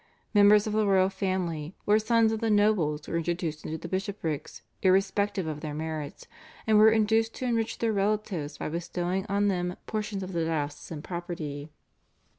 Members of the royal family or sons of the nobles were introduced into the bishoprics irrespective of their merits, and were induced to enrich their relatives by bestowing on them portions of the diocesan property.